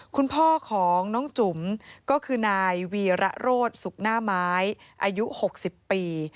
คุณพ่อของน้องจุ๋มก็คือนายวีระโรธสุขหน้าไม้อายุ๖๐ปี